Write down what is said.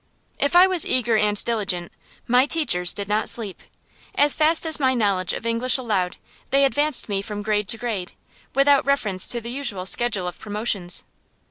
If I was eager and diligent, my teachers did not sleep. As fast as my knowledge of English allowed, they advanced me from grade to grade, without reference to the usual schedule of promotions.